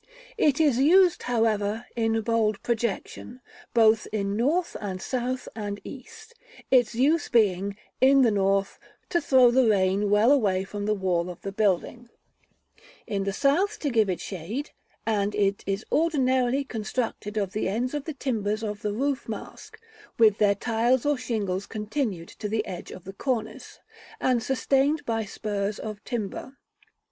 It is used, however, in bold projection, both in north, and south, and east; its use being, in the north, to throw the rain well away from the wall of the building; in the south to give it shade; and it is ordinarily constructed of the ends of the timbers of the roof mask (with their tiles or shingles continued to the edge of the cornice), and sustained by spurs of timber.